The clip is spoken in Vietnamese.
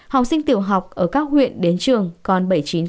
học sinh tiểu học ở các huyện đến trường còn bảy mươi chín